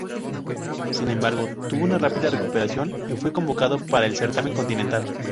Sin embargo tuvo una rápida recuperación y fue convocado para el certamen continental.